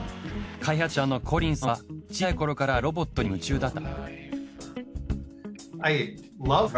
開発者のコリンさんは小さい頃からロボットに夢中だった。